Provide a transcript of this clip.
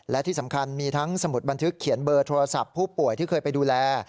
และที่สำคัญมีทั้งสมุดบันทึกเขียนเบอร์โทรศัพท์ผู้ป่วยที่เคยไปดูแล